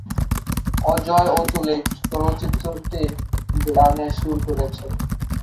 অজয়-অতুল এই চলচ্চিত্রটির গানে সুর করেছেন।